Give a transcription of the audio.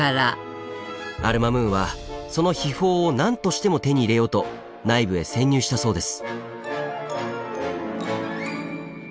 アル・マムーンはその秘宝を何としても手に入れようと内部へ潜入したそうです。